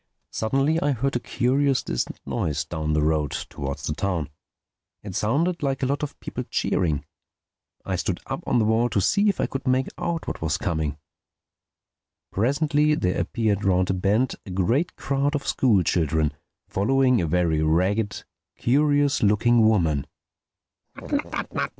Suddenly I heard a curious distant noise down the road, towards the town. It sounded like a lot of people cheering. I stood up on the wall to see if I could make out what was coming. Presently there appeared round a bend a great crowd of school children following a very ragged, curious looking woman.